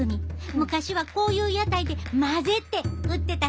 昔はこういう屋台でまぜて売ってたそうやで。